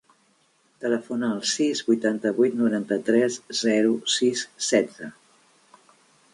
Telefona al sis, vuitanta-vuit, noranta-tres, zero, sis, setze.